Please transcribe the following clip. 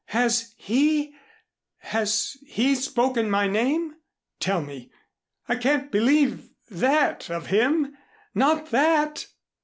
Has he has he spoken my name? Tell me. I can't believe that of him not that!"